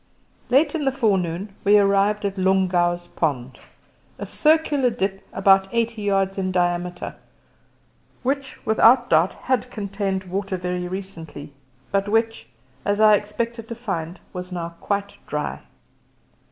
Late in the forenoon we arrived at Lungow's pond a circular dip about eighty yards in diameter, which without doubt had contained water very recently, but which, as I expected to find, was now quite dry.